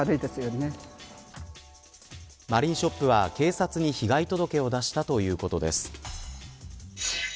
マリンショップは警察に被害届を出したということです。